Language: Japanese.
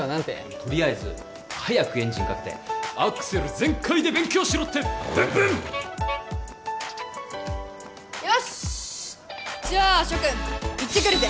とりあえず早くエンジンかけてアクセル全開で勉強しろってブンブンよしっじゃあ諸君行ってくるぜ！